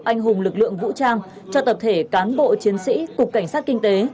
anh hùng lực lượng vũ trang cho tập thể cán bộ chiến sĩ cục cảnh sát kinh tế